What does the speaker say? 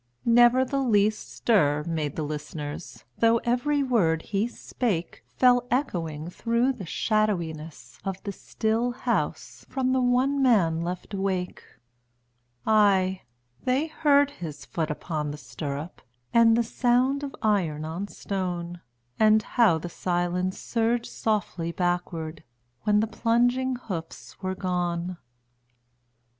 Never the least stir made the listeners, Though every word he spake Fell echoing through the shadowiness of the still house From the one man left awake: Aye, they heard his foot upon the stirrup, And the sound of iron on stone, And how the silence surged softly backward, When the plunging hoofs were gone.